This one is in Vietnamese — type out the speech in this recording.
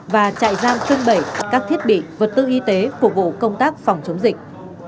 và trại giam cưng bẩy các thiết bị vật tư y tế của vụ công tác phòng chống dịch